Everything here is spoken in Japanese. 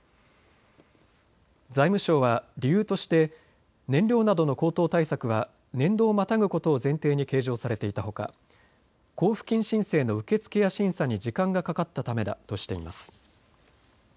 財務省は理由として燃料などの高騰対策は年度をまたぐことを前提に計上されていたほか交付金申請の受け付けや審査に時間がかかったためだとしています。